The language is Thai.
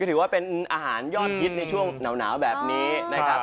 ก็ถือว่าเป็นอาหารยอดพิษในช่วงหนาวแบบนี้